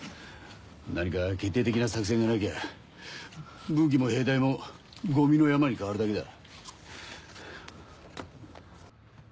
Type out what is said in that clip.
何か決定的な作戦がなきゃ武器も兵隊もゴミの山に変わるだけだ。